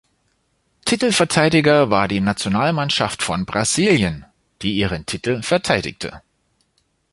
Titelverteidiger war die Nationalmannschaft von Brasilien, die ihren Titel verteidigte.